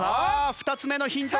２つ目のヒント。